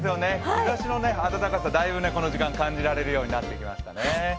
日差しの暖かささ、だいぶこの時間感じられるようになってきましたね。